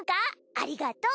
ありがとう！